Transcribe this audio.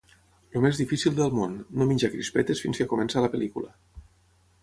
El més difícil del món: no menjar crispetes fins que comença la pel·lícula.